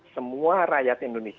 semua rakyat indonesia